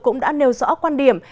cũng đã nêu rõ quan điểm